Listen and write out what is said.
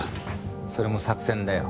それも作戦だよ。